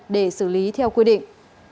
để xử lý theo quy định